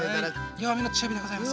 弱めの中火でございます